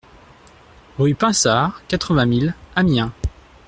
Rue Pinsard, quatre-vingt mille Amiens